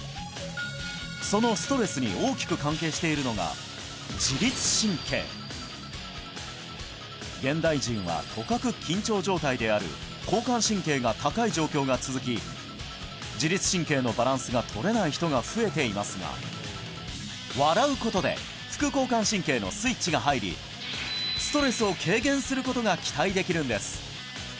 そのストレスに大きく関係しているのが現代人はとかく緊張状態である交感神経が高い状況が続き自律神経のバランスが取れない人が増えていますが笑うことで副交感神経のスイッチが入り出ていました